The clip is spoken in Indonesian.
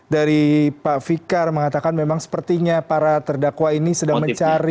dari pak fikar mengatakan memang sepertinya para terdakwa ini sedang mencari